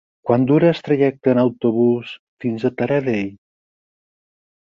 Quant dura el trajecte en autobús fins a Taradell?